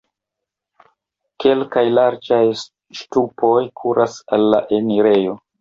Kelkaj larĝaj ŝtupoj kuras al la enirejo.